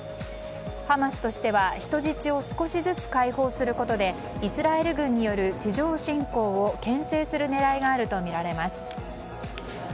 ハマスとしては人質を少しずつ解放することでイスラエル軍による地上侵攻を牽制する狙いがあるとみられます。